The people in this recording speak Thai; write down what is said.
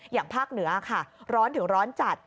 อย่างภาคเหนือค่ะร้อนถึงร้อนจัด